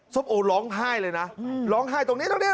ส้มโอร้องไห้เลยนะร้องไห้ตรงนี้ตรงนี้